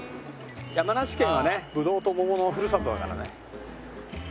山梨県はねぶどうともものふるさとだからね。